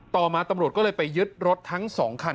ต่อมาตำรวจก็เลยไปยึดรถทั้ง๒คัน